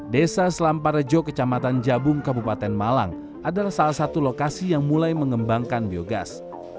desa selamparejo kecamatan jabung kabupaten malang adalah salah satu lokasi yang mulai mengembangkan biogas